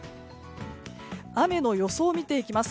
雨の予想を見ていきます。